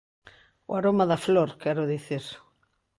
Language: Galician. O aroma da flor, quero dicir.